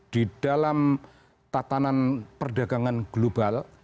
di dalam tatanan perdagangan global